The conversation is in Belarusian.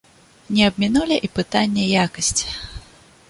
Не абмінулі і пытання якасці.